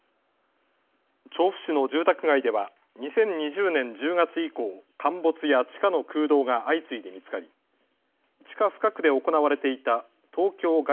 調布市の住宅街では２０２０年１０月以降、陥没や地下の空洞が相次いで見つかり地下深くで行われていた東京外